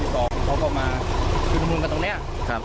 แล้วก็รอบที่สองเขาก็มาชุดระมุนกันตรงเนี้ยครับ